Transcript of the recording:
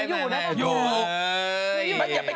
ไม่ไหวนิดนึงสิหนูไม่รู้เลยนะ